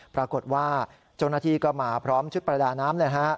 ปรากฏว่าเจ้าหน้าที่ก็มาพร้อมชุดประดาน้ำเลยฮะ